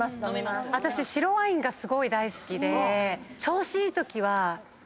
私白ワインがすごい大好きで調子いいとき。